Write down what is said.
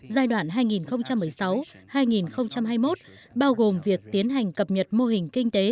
giai đoạn hai nghìn một mươi sáu hai nghìn hai mươi một bao gồm việc tiến hành cập nhật mô hình kinh tế